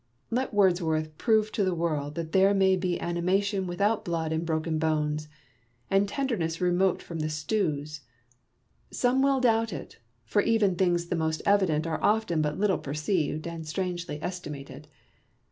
Let Wordsworth prove to the world that there may be animation without blood and broken bones, and tender ness remote from the stews. Some will doubt it; for even things the most evident are often but little perceived and strangely estimated.